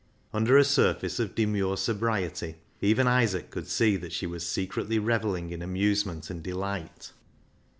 Under a surface of demure sobriety, even Isaac could see that she was secretly revelling in amusement and delight.